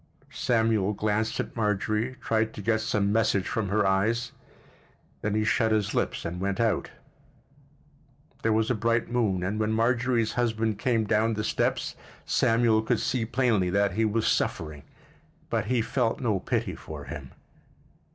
Samuel glanced at Marjorie, tried to get some message from her eyes; then he shut his lips and went out. There was a bright moon and when Marjorie's husband came down the steps Samuel could see plainly that he was suffering—but he felt no pity for him.